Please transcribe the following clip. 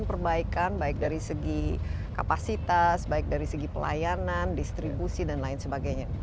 perbaikan baik dari segi kapasitas baik dari segi pelayanan distribusi dan lain sebagainya